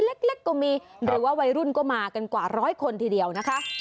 เล็กก็มีหรือว่าวัยรุ่นก็มากันกว่าร้อยคนทีเดียวนะคะ